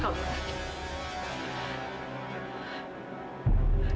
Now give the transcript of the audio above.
kamu pergi sekarang